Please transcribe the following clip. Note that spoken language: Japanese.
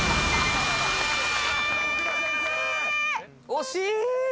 惜しい！